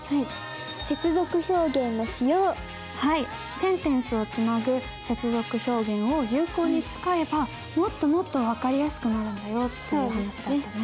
センテンスをつなぐ接続表現を有効に使えばもっともっと分かりやすくなるんだよっていう話だったね。